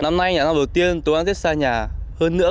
năm nay là năm đầu tiên tôi ăn tết xa nhà